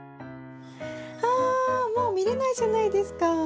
あもう見れないじゃないですか。